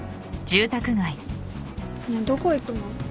ねえどこ行くの？